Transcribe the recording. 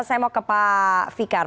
saya mau ke pak fikar